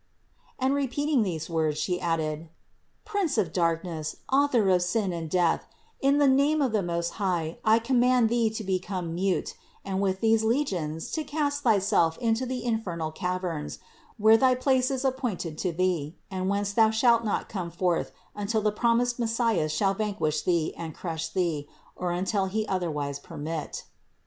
And repeating these words, She added : "Prince of darkness, author of sin and death, in the name of the Most High I command thee to become mute, and with thy legions to cast thyself into the infernal caverns, where thy place is appointed to thee, and whence thou shalt not come forth until the promised Messias shall vanquish thee and crush thee, or until He otherwise permit."